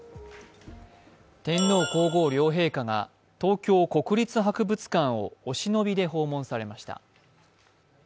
天皇皇后両陛下が東京国立博物館をお忍びで訪問されました。